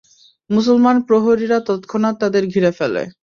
মুসলমান প্রহরীরা তৎক্ষণাৎ তাদের ঘিরে ফেলে।